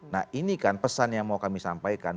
nah ini kan pesan yang mau kami sampaikan